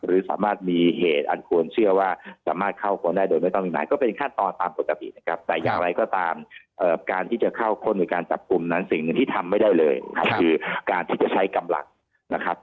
หรือสามารถมีเหตุอันควรเชื่อว่าสามารถเข้าคนได้โดยไม่ต้องมีนายก็เป็นขั้นตอนตามปกตินะครับแต่อย่างไรก็ตามการที่จะเข้าค้นในการจับกลุ่มนั้นสิ่งหนึ่งที่ทำไม่ได้เลยครับคือการที่จะใช้กำลังนะครับ